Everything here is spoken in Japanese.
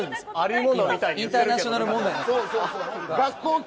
インターナショナル問題なんですよ。